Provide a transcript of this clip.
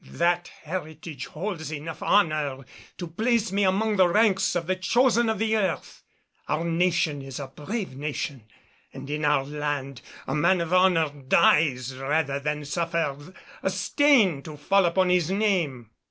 That heritage holds enough honor to place me among the ranks of the chosen of the earth. Our nation is a brave nation and in our land a man of honor dies rather than suffer a stain to fall upon his name.